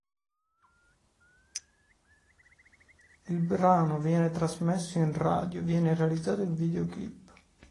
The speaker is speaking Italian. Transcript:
Il brano viene trasmesso in radio; viene realizzato il videoclip.